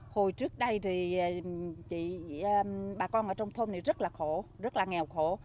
hồi trước đây thì bà con ở trong thôn này rất là khổ rất là nghèo khổ